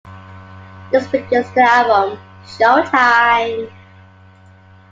This produced the album Showtime!